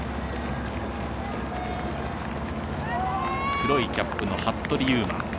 黒いキャップの服部勇馬。